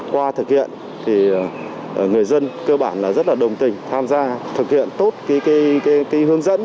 qua thực hiện người dân cơ bản rất đồng tình tham gia thực hiện tốt hướng dẫn